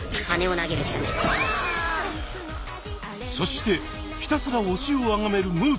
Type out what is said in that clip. そしてひたすら推しをあがめるむー